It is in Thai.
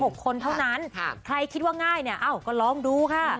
หลายบุคคลเท่านั้นใครคิดว่าง่ายก็ลองดูค่ะ